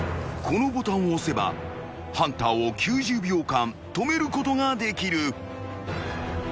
［このボタンを押せばハンターを９０秒間止めることができる］